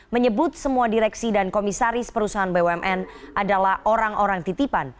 menyebut semua direksi dan komisaris perusahaan bumn adalah orang orang titipan